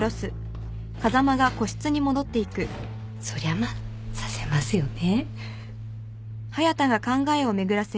そりゃまあ刺せますよね。